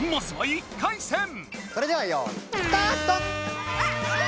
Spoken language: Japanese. それでは用いスタート！